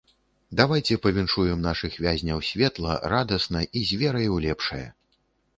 Давайце павіншуем нашых вязняў светла, радасна і з верай у лепшае.